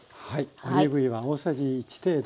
オリーブ油が大さじ１程度。